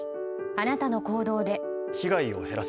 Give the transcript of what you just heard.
あなたの行動で。